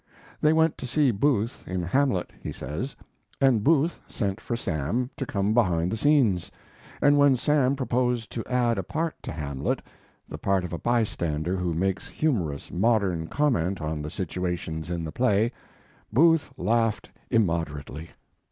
They went to see Booth in Hamlet [he says], and Booth sent for Sam to come behind the scenes, and when Sam proposed to add a part to Hamlet, the part of a bystander who makes humorous modern comment on the situations in the play, Booth laughed immoderately.